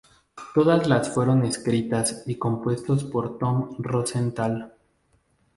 Todas las fueron escritas y compuestos por Tom Rosenthal.